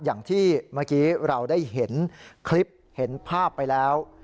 อย่างที่เมื่อกี้เราได้เห็นคลิปเห็นภาพไปแล้ว